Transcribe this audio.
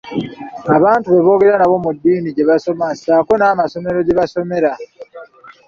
Abantu be boogera nabo, mu ddiini gye basoma, ssaako n'amasomero gye basomera.